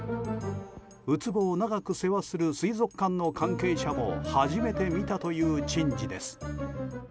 ウツボを長く世話する水族館の関係者も初めて見たという珍事です。